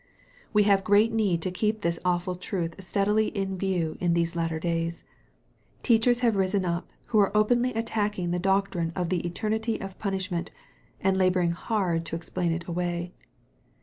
We have great need to keep this awful truth steadily in view in these latter days. Teachers have risen up, who are openly attacking the doctrine of the eternity of punishment, or laboring hard to explain it away.